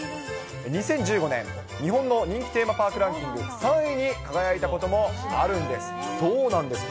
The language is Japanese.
２０１５年、日本の人気テーマパークランキング３位に輝いたこともあるんです。